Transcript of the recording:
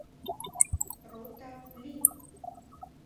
Рота, пли!